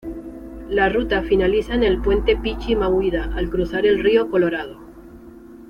La ruta finaliza en el Puente Pichi Mahuida al cruzar el Río Colorado.